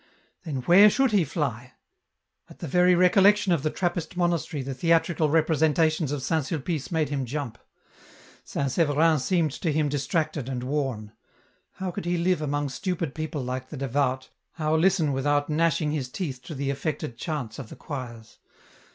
Then where should he fly? At the very recollection of the Trappist monastery the theatrical representations of St. Sulpice made him jump. St. Severin seemed to him distracted and worn. How could he live among stupid people like the devout, how listen without gnashing his teeth to the affected chants of the choirs